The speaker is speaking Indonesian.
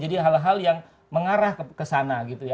jadi hal hal yang mengarah ke sana